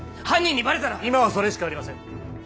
犯人にばれたら今はそれしかありません